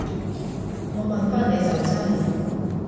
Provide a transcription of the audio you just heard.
我問返你就真